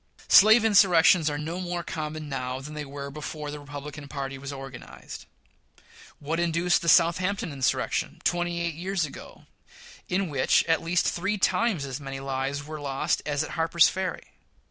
Slave insurrections are no more common now than they were before the Republican party was organized. What induced the Southampton insurrection, twenty eight years ago, in which, at least, three times as many lives were lost as at Harper's Ferry?